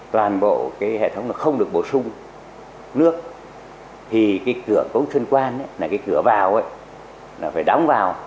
toàn bộ hệ thống không được bổ sung nước thì cửa công chân quan cửa vào phải đóng vào